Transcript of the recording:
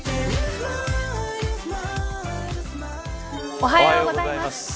おはようございます。